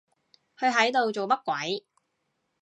佢喺度做乜鬼？